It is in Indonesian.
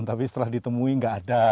tapi setelah ditemui nggak ada